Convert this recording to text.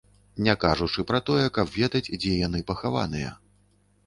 Не кажучы пра тое, каб ведаць, дзе яны пахаваныя.